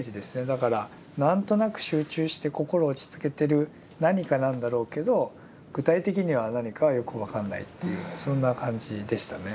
だから何となく集中して心を落ち着けてる何かなんだろうけど具体的には何かはよく分かんないというそんな感じでしたね。